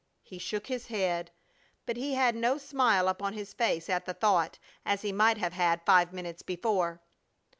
He shook his head; but he had no smile upon his face at the thought, as he might have had five minutes before.